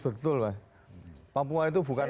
betul pak papuan itu bukan